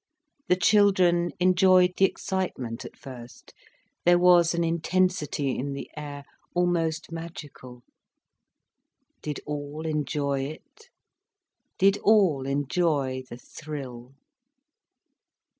The children enjoyed the excitement at first. There was an intensity in the air, almost magical. Did all enjoy it? Did all enjoy the thrill?